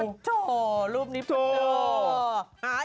ประโชว์รูปนี้ประโชว์ประโชว์